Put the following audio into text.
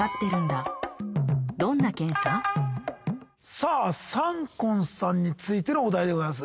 さあサンコンさんについてのお題でございます。